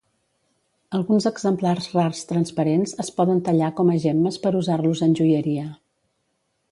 Alguns exemplars rars transparents es poden tallar com a gemmes per usar-los en joieria.